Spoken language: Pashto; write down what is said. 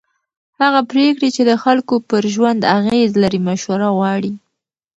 هغه پرېکړې چې د خلکو پر ژوند اغېز لري مشوره غواړي